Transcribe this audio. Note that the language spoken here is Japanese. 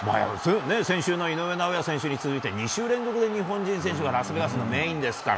先週の井上尚弥選手に続いて２週連続で日本人選手がラスベガスのメインですから。